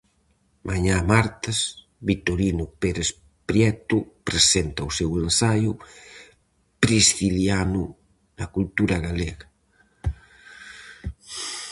Mañá martes, Victorino Pérez Prieto presenta o seu ensaio Prisciliano na cultura galega.